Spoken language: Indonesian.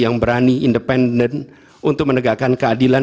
yang berani independen untuk menegakkan keadilan